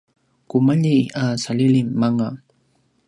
kumalji a salilim anga